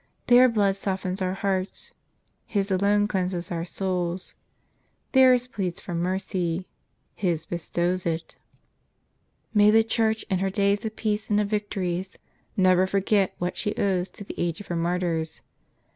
Their blood softens our hearts; His alone cleanses our souls. Theirs pleads for mercy; His bestows it. " May the Church, in her days of peace and of victories, never forget what she owes to the age of her martyrs.